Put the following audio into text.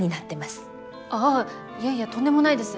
ああいやいやとんでもないです。